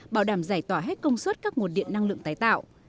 bảo đảm giải tỏa hết công suất các nguồn điện năng lượng tái tạo